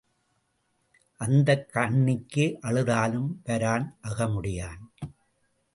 அந்துக் கண்ணிக்கு அழுதாலும் வரான் அகமுடையான்.